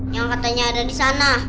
yang katanya ada disana